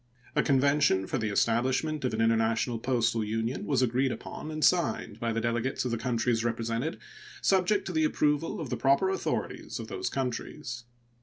A convention for the establishment of an international postal union was agreed upon and signed by the delegates of the countries represented, subject to the approval of the proper authorities of those countries.